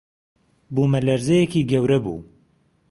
بوومەلەرزەیێکی گەورە بوو